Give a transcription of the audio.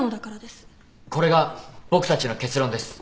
これが僕たちの結論です。